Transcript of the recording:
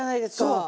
そう。